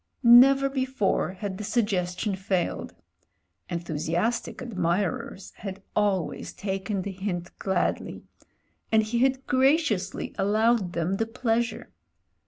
Never before had the suggestion failed; enthusiastic admirers had always taken the' hint gladly, and he had graciously allowed them the pleasure.